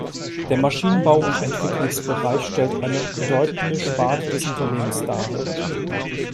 Der Maschinenbau und -entwicklungsbereich stellt eine bedeutende Sparte des Unternehmens dar.